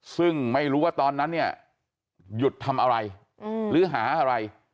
ซึ่งไม่รู้ว่าตอนนั้นเนี่ยหยุดทำอะไรหรือหาอะไร